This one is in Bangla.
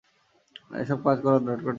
এসব কাজ করার দরকারটা কী?